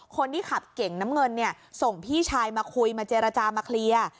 คนที่ขับเก่งน้ำเงินเนี่ยส่งพี่ชายมาคุยมาเจรจามาเคลียร์